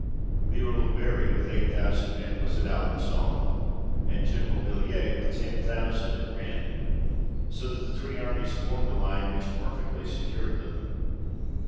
The Earl of Bury, with eight thousand men, was at Alehgon ; and General Villiers, with ten thousand, at Rennes, so that the three armies formed a line, which perfectly secured them.